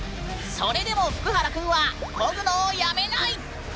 それでもフクハラくんはこぐのをやめない！